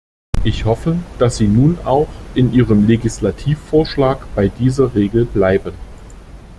Ich hoffe, dass Sie nun auch in Ihrem Legislativvorschlag bei dieser Regel bleiben.